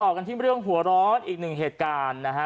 กันที่เรื่องหัวร้อนอีกหนึ่งเหตุการณ์นะฮะ